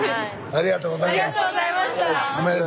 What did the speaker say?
ありがとうございます。